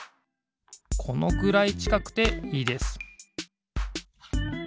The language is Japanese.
このくらいちかくていいです